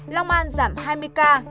long an giảm hai mươi ca